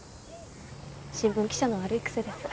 新聞記者の悪い癖です。